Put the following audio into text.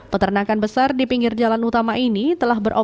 peternakan besar di pinggir jalan utama ini telah beroperasi